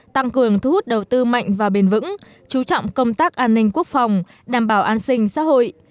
tăng cường thu hút đầu tư mạnh và bền vững chú trọng công tác an ninh quốc phòng đảm bảo an sinh xã hội